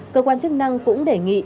cơ quan chức năng cũng đề nghị